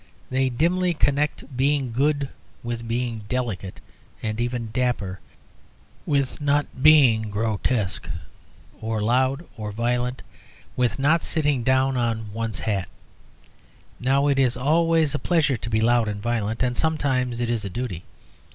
They dimly connect being good with being delicate, and even dapper; with not being grotesque or loud or violent; with not sitting down on one's hat. Now it is always a pleasure to be loud and violent, and sometimes it is a duty.